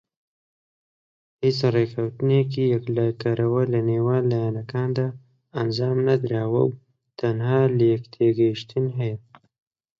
هیچ ڕێککەوتنێکی یەکلایی کەرەوە لەنێوان لایەنەکاندا ئەنجام نەدراوە و تەنها لێکتێگەیشتن هەیە.